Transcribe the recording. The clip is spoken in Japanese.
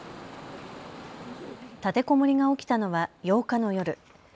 立てこもりが起きたのは８日の夜。